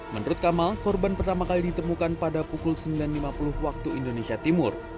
menurut kamal korban pertama kali ditemukan pada pukul sembilan lima puluh waktu indonesia timur